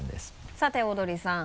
さてオードリーさん